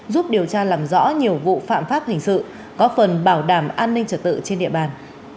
giúp điều tra làm rõ nhiều vụ phạm pháp hình sự có phần bảo đảm an ninh trật tự trên địa bàn